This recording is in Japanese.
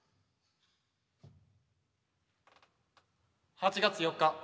８月４日